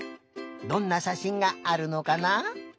どんなしゃしんがあるのかな？